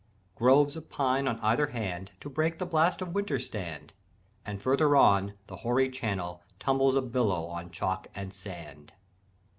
"Groves of pine on either hand, To break the blast of winter, stand; And further on, the hoary Channel Tumbles a billow on chalk and sand."